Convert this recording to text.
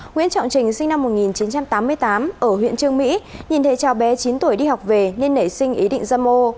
nguyễn trọng trình sinh năm một nghìn chín trăm tám mươi tám ở huyện trương mỹ nhìn thấy cháu bé chín tuổi đi học về nên nảy sinh ý định dâm ô